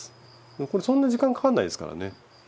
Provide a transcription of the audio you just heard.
これそんな時間かかんないですからね。